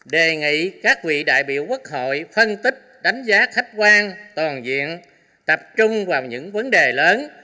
đề nghị các vị đại biểu quốc hội phân tích đánh giá khách quan toàn diện tập trung vào những vấn đề lớn